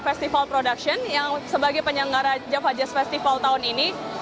festival production yang sebagai penyelenggara java jazz festival tahun ini